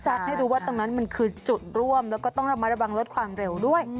ให้รู้ว่าตรงนั้นมันคือจุดร่วมแล้วก็ต้องระมัดระวังลดความเร็วด้วย